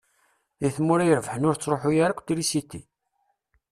Di tmura irebḥen ur tettṛuḥu ara akk trisiti.